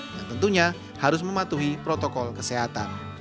yang tentunya harus mematuhi protokol kesehatan